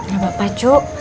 gak apa apa cu